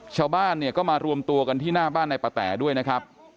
ชาวบ้านเนี่ยก็มารวมตัวกันที่หน้าบ้านในปะแตด้วยนะครับ